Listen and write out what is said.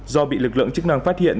do bị lực lượng chức năng phát hiện